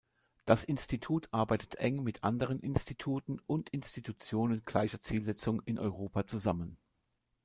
Das Institut arbeitet eng mit anderen Instituten und Institutionen gleicher Zielsetzung in Europa zusammen.